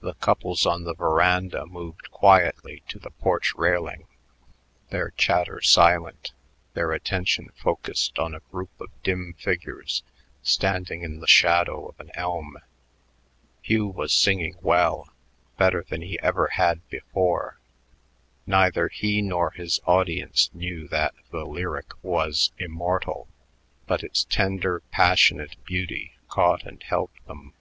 The couples on the veranda moved quietly to the porch railing, their chatter silent, their attention focused on a group of dim figures standing in the shadow of an elm. Hugh was singing well, better than he ever had before. Neither he nor his audience knew that the lyric was immortal, but its tender, passionate beauty caught and held them.